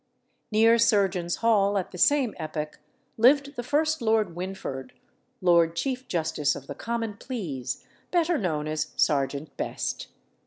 Near Surgeons' Hall, at the same epoch, lived the first Lord Wynford, Lord Chief Justice of the Common Pleas, better known as Serjeant Best.